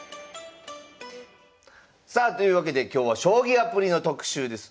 さあというわけで今日は将棋アプリの特集です。